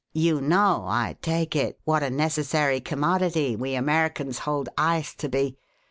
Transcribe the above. "You know, I take it, what a necessary commodity we Americans hold ice to be.